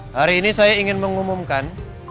hari ini saya ingin mengumumkan